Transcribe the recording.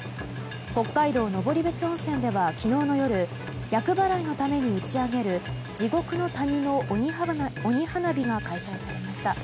北海道登別温泉では昨日の夜厄払いのために打ち上げる地獄の谷の鬼花火が開催されました。